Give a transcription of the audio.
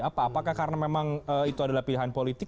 apakah karena memang itu adalah pilihan politik